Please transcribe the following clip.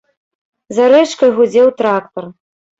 За рэчкай гудзеў трактар.